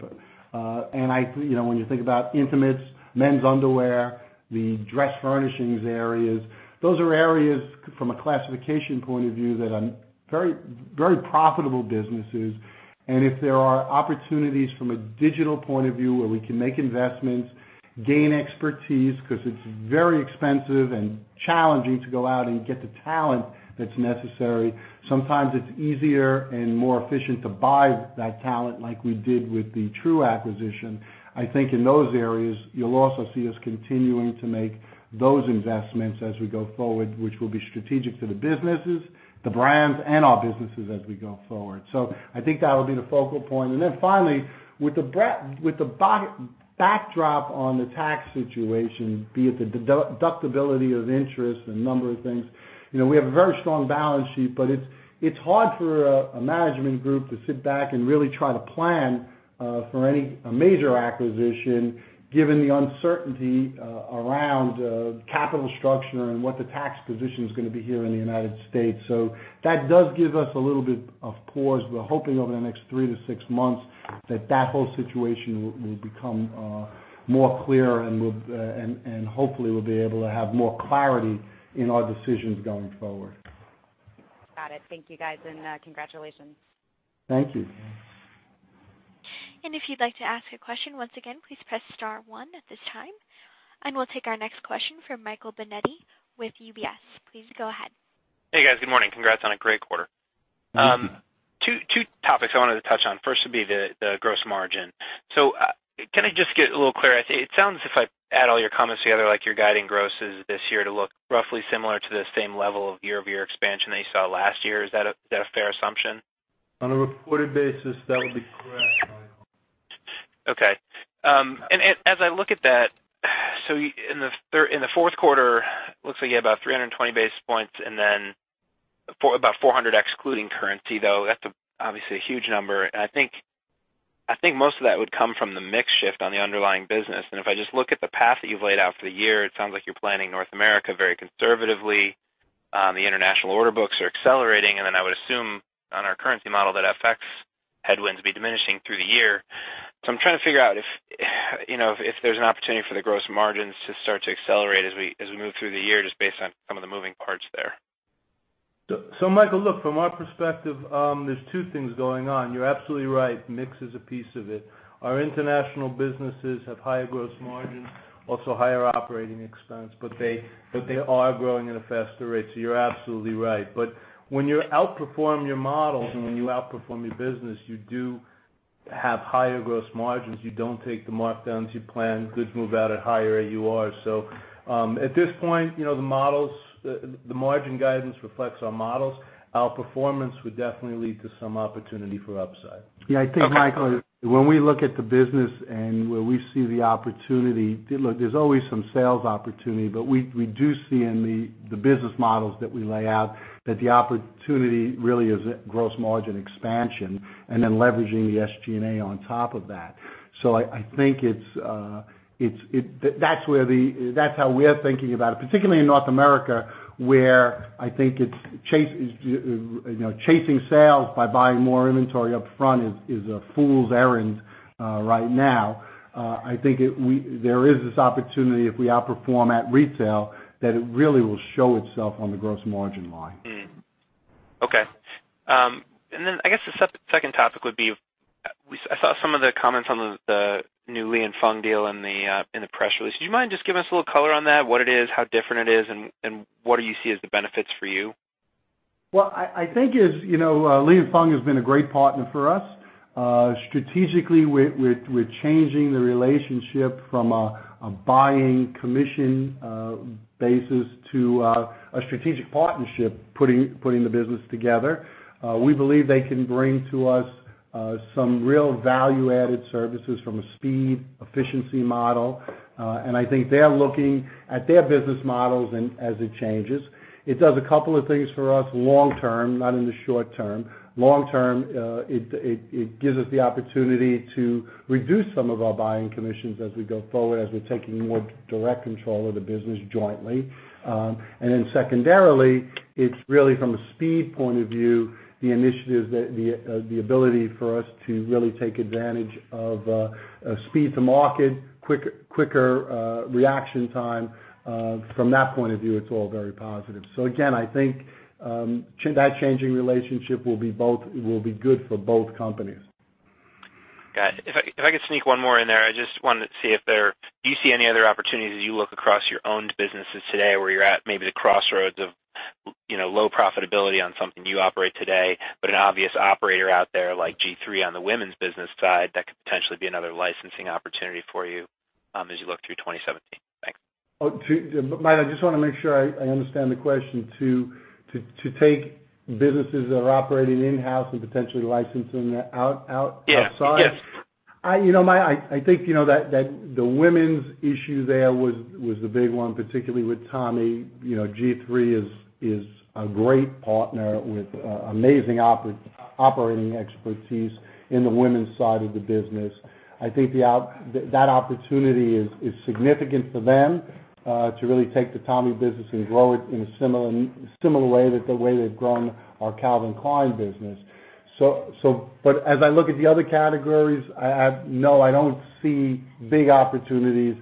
When you think about intimates, men's underwear, the dress furnishings areas, those are areas from a classification point of view that are very profitable businesses. If there are opportunities from a digital point of view where we can make investments, gain expertise, because it's very expensive and challenging to go out and get the talent that's necessary. Sometimes it's easier and more efficient to buy that talent like we did with the True acquisition. I think in those areas, you'll also see us continuing to make those investments as we go forward, which will be strategic to the businesses, the brands, and our businesses as we go forward. I think that'll be the focal point. Finally, with the backdrop on the tax situation, be it the deductibility of interest and a number of things, we have a very strong balance sheet, but it's hard for a management group to sit back and really try to plan for any major acquisition given the uncertainty around capital structure and what the tax position is going to be here in the United States. That does give us a little bit of pause. We're hoping over the next three to six months that whole situation will become more clear, and hopefully, we'll be able to have more clarity in our decisions going forward. Got it. Thank you, guys, and congratulations. Thank you. If you'd like to ask a question, once again, please press *1 at this time. We'll take our next question from Michael Binetti with UBS. Please go ahead. Hey, guys. Good morning. Congrats on a great quarter. Two topics I wanted to touch on. First would be the gross margin. Can I just get a little clarity? It sounds, if I add all your comments together, like you're guiding grosses this year to look roughly similar to the same level of year-over-year expansion that you saw last year. Is that a fair assumption? On a reported basis, that would be correct, Michael. Okay. As I look at that, in the fourth quarter, looks like you had about 320 basis points and then about 400 excluding currency, though. That's obviously a huge number. I think most of that would come from the mix shift on the underlying business. If I just look at the path that you've laid out for the year, it sounds like you're planning North America very conservatively. The international order books are accelerating. I would assume on our currency model that FX headwinds be diminishing through the year. I'm trying to figure out if there's an opportunity for the gross margins to start to accelerate as we move through the year, just based on some of the moving parts there. Michael, look, from our perspective, there's two things going on. You're absolutely right. Mix is a piece of it. Our international businesses have higher gross margins, also higher operating expense. They are growing at a faster rate. You're absolutely right. When you outperform your models and when you outperform your business, you do have higher gross margins. You don't take the markdowns. You plan goods move out at higher AUR. At this point, the margin guidance reflects our models. Outperformance would definitely lead to some opportunity for upside. I think, Michael, when we look at the business and where we see the opportunity, look, there's always some sales opportunity. We do see in the business models that we lay out that the opportunity really is gross margin expansion and then leveraging the SG&A on top of that. I think that's how we're thinking about it, particularly in North America, where I think chasing sales by buying more inventory upfront is a fool's errand right now. I think there is this opportunity if we outperform at retail that it really will show itself on the gross margin line. Okay. I guess the second topic would be, I saw some of the comments on the new Li & Fung deal in the press release. Do you mind just giving us a little color on that, what it is, how different it is, and what do you see as the benefits for you? Well, I think Li & Fung has been a great partner for us. Strategically, we're changing the relationship from a buying commission basis to a strategic partnership, putting the business together. We believe they can bring to us some real value-added services from a speed, efficiency model. I think they're looking at their business models and as it changes. It does a couple of things for us long term, not in the short term. Long term, it gives us the opportunity to reduce some of our buying commissions as we go forward, as we're taking more direct control of the business jointly. Secondarily, it's really from a speed point of view, the initiatives that the ability for us to really take advantage of speed to market, quicker reaction time. From that point of view, it's all very positive. Again, I think that changing relationship will be good for both companies. Got it. If I could sneak one more in there, I just wanted to see if you see any other opportunities as you look across your owned businesses today where you're at maybe the crossroads of low profitability on something you operate today, but an obvious operator out there like G3 on the women's business side that could potentially be another licensing opportunity for you as you look through 2017? Thanks. Mike, I just want to make sure I understand the question. To take businesses that are operating in-house and potentially licensing that outside? Yes. Mike, I think that the women's issue there was the big one, particularly with Tommy. G3 is a great partner with amazing operating expertise in the women's side of the business. I think that opportunity is significant for them, to really take the Tommy business and grow it in a similar way that the way they've grown our Calvin Klein business. As I look at the other categories, no, I don't see big opportunities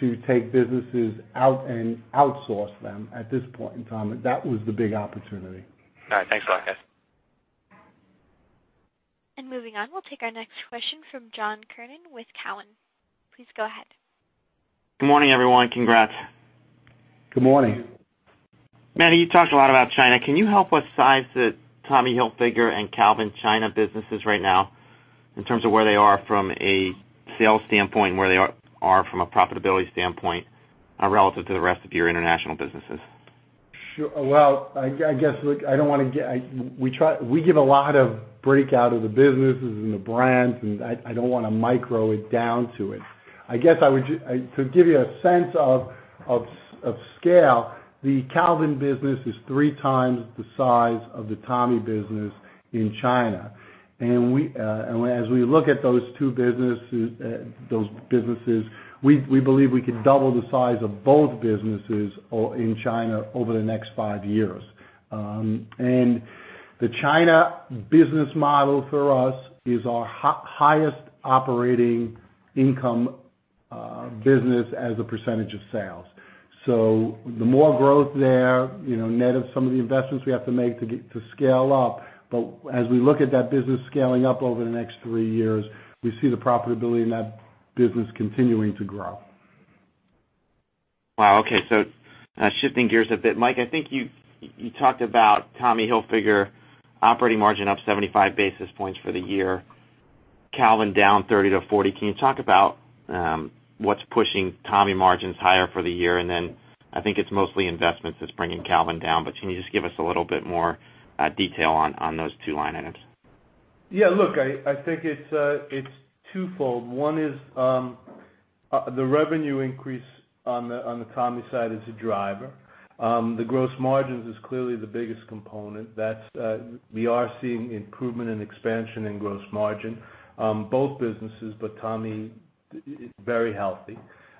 to take businesses out and outsource them at this point in time. That was the big opportunity. All right. Thanks a lot, guys. Moving on, we'll take our next question from John Kernan with Cowen. Please go ahead. Good morning, everyone. Congrats. Good morning. Manny, you talked a lot about China. Can you help us size the Tommy Hilfiger and Calvin China businesses right now in terms of where they are from a sales standpoint, and where they are from a profitability standpoint, relative to the rest of your international businesses? Sure. Well, I guess, look, we give a lot of breakout of the businesses and the brands, and I don't want to micro it down to it. I guess to give you a sense of scale, the Calvin business is three times the size of the Tommy business in China. As we look at those businesses, we believe we could double the size of both businesses in China over the next five years. The China business model for us is our highest operating income business as a percentage of sales. The more growth there, net of some of the investments we have to make to scale up. As we look at that business scaling up over the next three years, we see the profitability in that business continuing to grow. Wow. Okay. Shifting gears a bit. Mike, I think you talked about Tommy Hilfiger operating margin up 75 basis points for the year, Calvin down 30-40 basis points. Can you talk about what's pushing Tommy margins higher for the year? Then I think it's mostly investments that's bringing Calvin down, but can you just give us a little bit more detail on those two line items? Yeah, look, I think it's twofold. One is The revenue increase on the Tommy side is a driver. The gross margins is clearly the biggest component. We are seeing improvement in expansion in gross margin, both businesses, but Tommy is very healthy.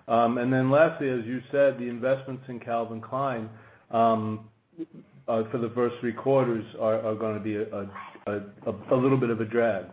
Lastly, as you said, the investments in Calvin Klein for the first three quarters are going to be a little bit of a drag.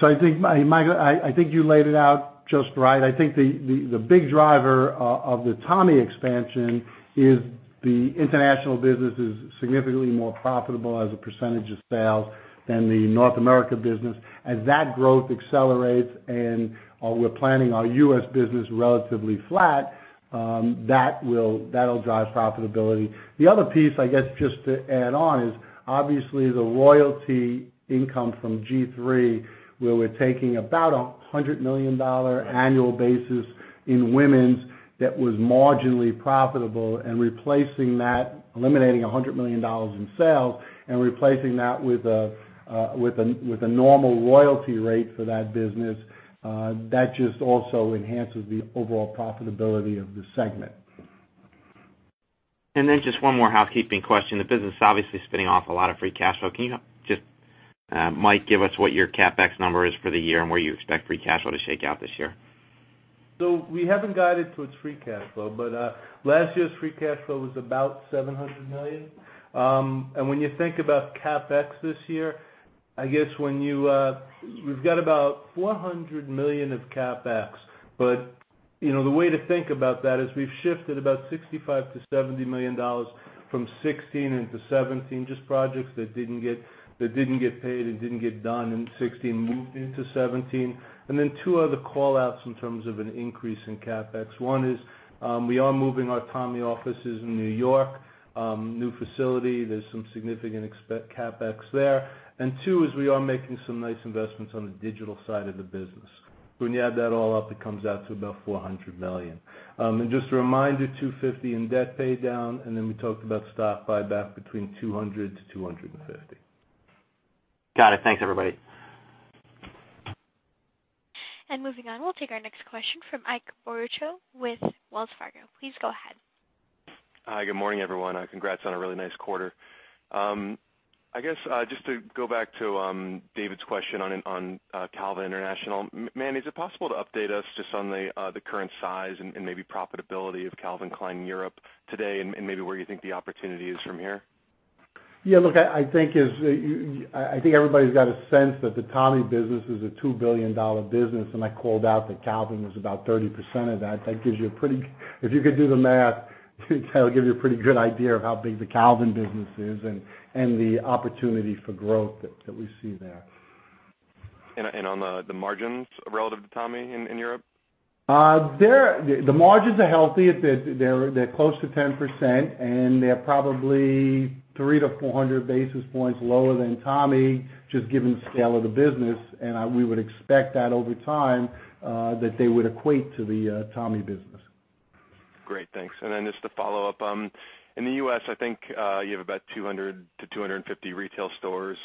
I think, Michael, you laid it out just right. I think the big driver of the Tommy expansion is the international business is significantly more profitable as a percentage of sales than the North America business. As that growth accelerates and we're planning our U.S. business relatively flat, that'll drive profitability. The other piece, I guess, just to add on, is obviously the royalty income from G3, where we're taking about a $100 million annual basis in women's that was marginally profitable and replacing that, eliminating $100 million in sales, and replacing that with a normal royalty rate for that business. That just also enhances the overall profitability of the segment. Just one more housekeeping question. The business obviously spinning off a lot of free cash flow. Can you just, Mike, give us what your CapEx number is for the year and where you expect free cash flow to shake out this year? We haven't guided to its free cash flow, but last year's free cash flow was about $700 million. When you think about CapEx this year, I guess we've got about $400 million of CapEx. The way to think about that is we've shifted about $65 million-$70 million from 2016 into 2017, just projects that didn't get paid and didn't get done in 2016, moved into 2017. Then two other call-outs in terms of an increase in CapEx. One is, we are moving our Tommy offices in New York, new facility, there's some significant CapEx there. Two is we are making some nice investments on the digital side of the business. When you add that all up, it comes out to about $400 million. Just a reminder, $250 in debt pay down, and then we talked about stock buyback between $200-$250. Got it. Thanks, everybody. Moving on, we'll take our next question from Ike Boruchow with Wells Fargo. Please go ahead. Hi, good morning, everyone. Congrats on a really nice quarter. I guess, just to go back to David's question on Calvin international. Manny, is it possible to update us just on the current size and maybe profitability of Calvin Klein Europe today, and maybe where you think the opportunity is from here? I think everybody's got a sense that the Tommy Hilfiger business is a $2 billion business. I called out that Calvin Klein was about 30% of that. If you could do the math, that'll give you a pretty good idea of how big the Calvin Klein business is and the opportunity for growth that we see there. On the margins relative to Tommy Hilfiger in Europe? The margins are healthy. They're close to 10%, and they're probably 3 to 400 basis points lower than Tommy Hilfiger, just given the scale of the business. We would expect that over time, that they would equate to the Tommy Hilfiger business. Great, thanks. Just to follow up, in the U.S., I think you have about 200 to 250 retail stores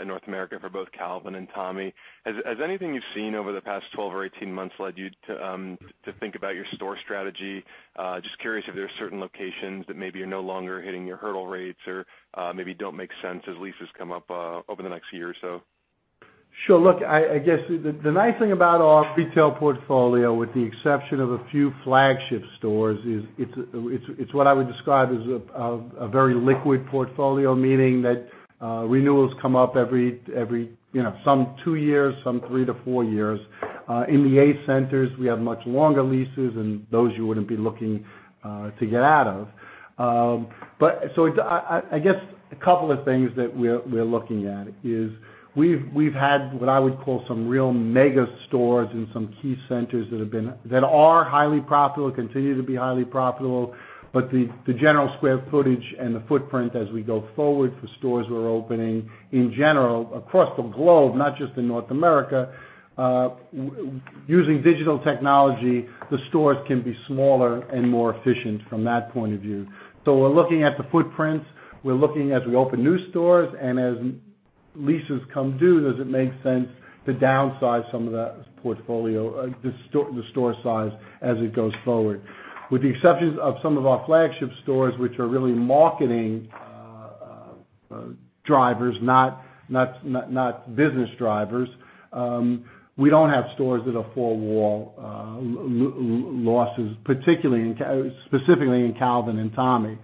in North America for both Calvin Klein and Tommy Hilfiger. Has anything you've seen over the past 12 or 18 months led you to think about your store strategy? Just curious if there are certain locations that maybe are no longer hitting your hurdle rates or maybe don't make sense as leases come up over the next year or so. Sure. Look, I guess the nice thing about our retail portfolio, with the exception of a few flagship stores, is it's what I would describe as a very liquid portfolio, meaning that renewals come up every, some two years, some 3-4 years. In the A centers, we have much longer leases, and those you wouldn't be looking to get out of. I guess a couple of things that we're looking at is we've had what I would call some real mega stores in some key centers that are highly profitable, continue to be highly profitable, but the general square footage and the footprint as we go forward for stores we're opening in general across the globe, not just in North America, using digital technology, the stores can be smaller and more efficient from that point of view. We're looking at the footprints. We're looking as we open new stores and as leases come due, does it make sense to downsize some of that portfolio, the store size as it goes forward. With the exceptions of some of our flagship stores, which are really marketing drivers, not business drivers, we don't have stores that are four-wall losses, specifically in Calvin and Tommy.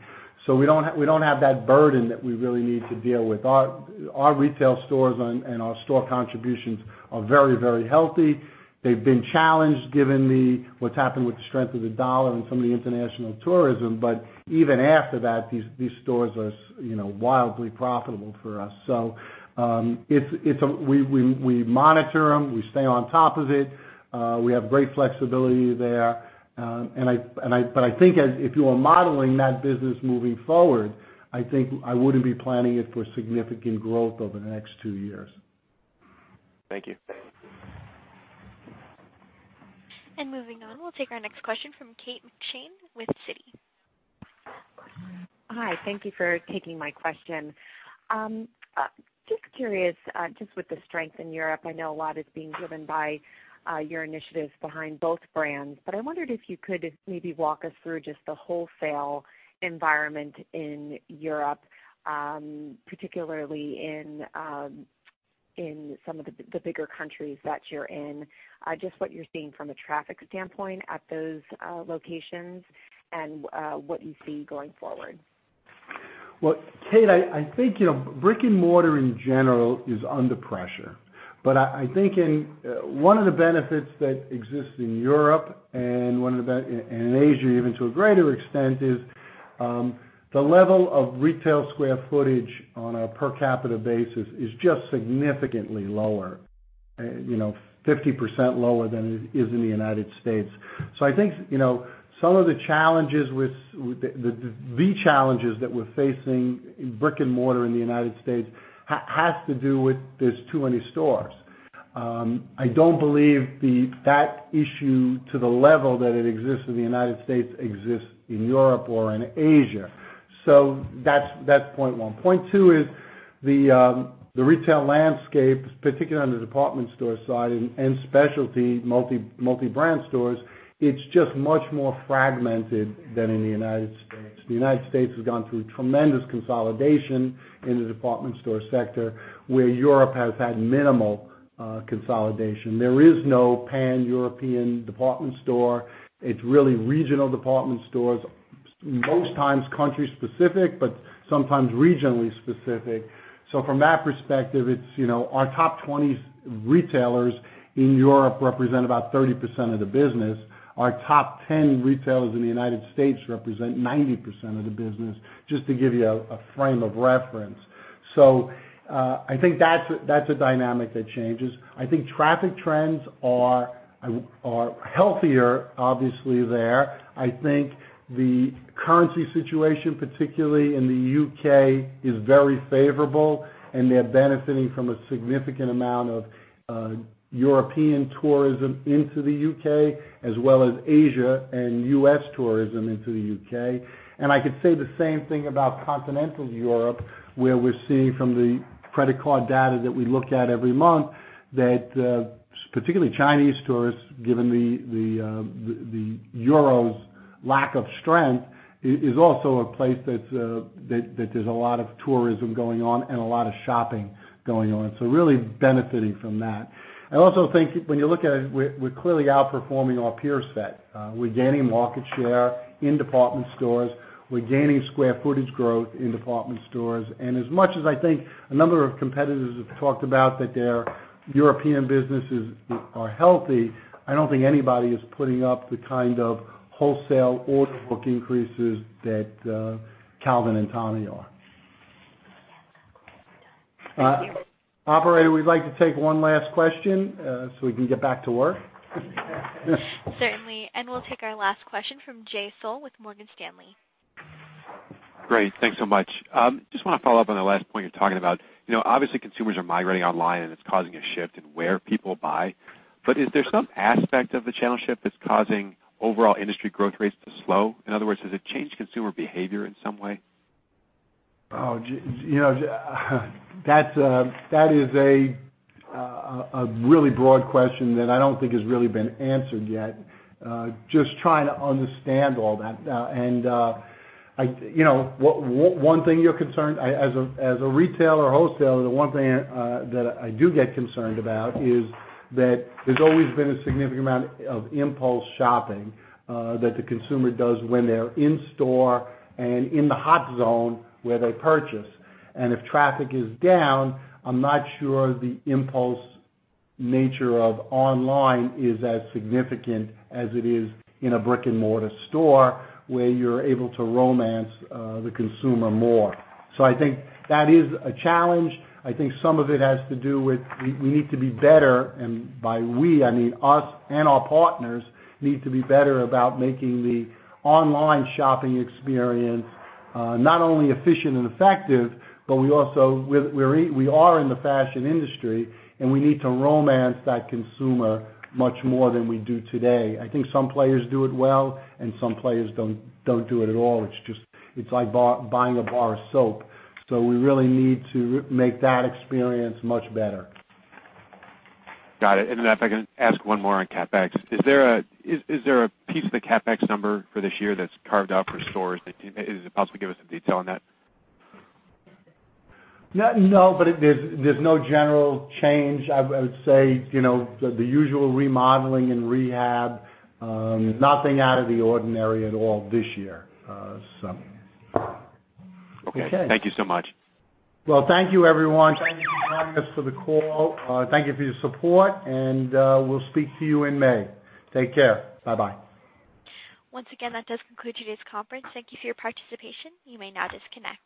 We don't have that burden that we really need to deal with. Our retail stores and our store contributions are very healthy. They've been challenged given what's happened with the strength of the dollar and some of the international tourism. Even after that, these stores are wildly profitable for us. We monitor them. We stay on top of it. We have great flexibility there. I think if you are modeling that business moving forward, I think I wouldn't be planning it for significant growth over the next two years. Thank you. Moving on, we'll take our next question from Kate McShane with Citi. Hi. Thank you for taking my question. Just curious, just with the strength in Europe, I know a lot is being driven by your initiatives behind both brands. I wondered if you could maybe walk us through just the wholesale environment in Europe, particularly in some of the bigger countries that you're in. Just what you're seeing from a traffic standpoint at those locations and what you see going forward. Well, Kate, I think, brick-and-mortar, in general, is under pressure. I think one of the benefits that exists in Europe and in Asia, even to a greater extent, is the level of retail square footage on a per capita basis is just significantly lower, 50% lower than it is in the U.S. I think, some of the challenges that we're facing in brick-and-mortar in the U.S. has to do with there's too many stores. I don't believe that issue to the level that it exists in the U.S. exists in Europe or in Asia. That's Point 1. Point 2 is the retail landscape, particularly on the department store side and specialty multi-brand stores, it's just much more fragmented than in the U.S. The U.S. has gone through tremendous consolidation in the department store sector, where Europe has had minimal consolidation. There is no pan-European department store. It's really regional department stores, most times country-specific, but sometimes regionally specific. From that perspective, our top 20 retailers in Europe represent about 30% of the business. Our top 10 retailers in the U.S. represent 90% of the business, just to give you a frame of reference. I think that's a dynamic that changes. I think traffic trends are healthier, obviously, there. I think the currency situation, particularly in the U.K., is very favorable, and they're benefiting from a significant amount of European tourism into the U.K., as well as Asia and U.S. tourism into the U.K. I could say the same thing about continental Europe, where we're seeing from the credit card data that we look at every month, that particularly Chinese tourists, given the euro's lack of strength, is also a place that there's a lot of tourism going on and a lot of shopping going on. Really benefiting from that. I also think when you look at it, we're clearly outperforming our peer set. We're gaining market share in department stores. We're gaining square footage growth in department stores. As much as I think a number of competitors have talked about that their European businesses are healthy, I don't think anybody is putting up the kind of wholesale order book increases that Calvin and Tommy are. Thank you. Operator, we'd like to take one last question. We can get back to work. Certainly. We'll take our last question from Jay Sole with Morgan Stanley. Great. Thanks so much. Just wanna follow up on the last point you're talking about. Obviously, consumers are migrating online, and it's causing a shift in where people buy. Is there some aspect of the channel shift that's causing overall industry growth rates to slow? In other words, does it change consumer behavior in some way? That is a really broad question that I don't think has really been answered yet. Just trying to understand all that. One thing as a retailer or wholesaler, the one thing that I do get concerned about is that there's always been a significant amount of impulse shopping that the consumer does when they're in store and in the hot zone where they purchase. If traffic is down, I'm not sure the impulse nature of online is as significant as it is in a brick-and-mortar store where you're able to romance the consumer more. I think that is a challenge. I think some of it has to do with we need to be better, and by we, I mean us and our partners need to be better about making the online shopping experience not only efficient and effective, but we are in the fashion industry, and we need to romance that consumer much more than we do today. I think some players do it well and some players don't do it at all. It's like buying a bar of soap. We really need to make that experience much better. Got it. If I can ask one more on CapEx. Is there a piece of the CapEx number for this year that's carved out for stores? Is it possible to give us some detail on that? No, there's no general change. I would say, the usual remodeling and rehab. Nothing out of the ordinary at all this year. Okay. Thank you so much. Well, thank you, everyone. Thank you for joining us for the call. Thank you for your support, and we'll speak to you in May. Take care. Bye-bye. Once again, that does conclude today's conference. Thank you for your participation. You may now disconnect.